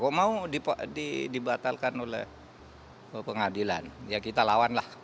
kalau mau dibatalkan oleh pengadilan ya kita lawanlah